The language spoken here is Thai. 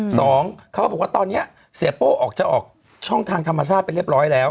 เขาก็บอกว่าตอนนี้เสียโป้ออกจะออกช่องทางธรรมชาติไปเรียบร้อยแล้ว